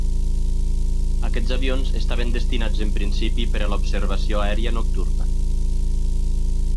Aquests avions estaven destinats en principi per a la observació aèria nocturna.